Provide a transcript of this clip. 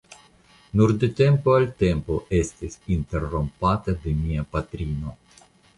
Nur de tempo al tempo estis interrompata de mia patrino.